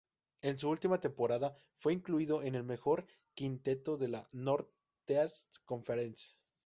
En su última temporada fue incluido en el mejor quinteto de la Northeast Conference.